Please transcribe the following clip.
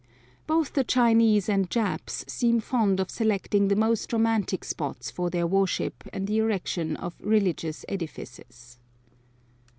Both the Chinese and Japs seem fond of selecting the most romantic spots for their worship and the erection of religious edifices.